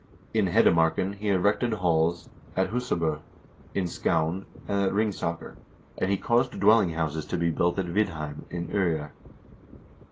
In Hedemarken he erected halls, at Husab0, in Skaun, and at Ringsaker, and he caused dwelling houses to be built at Vidheim, in 0yer.